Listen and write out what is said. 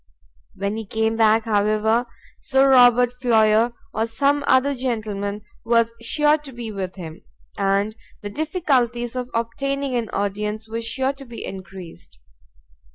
When he came back, however, Sir Robert Floyer, or some other gentleman, was sure to be with him, and the difficulties of obtaining an audience were sure to be encreased.